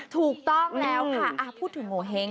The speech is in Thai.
ถูกต้องแล้วค่ะพูดถึงโงเห้ง